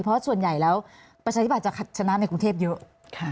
เพราะส่วนใหญ่แล้วประชาธิบัตยจะชนะในกรุงเทพเยอะ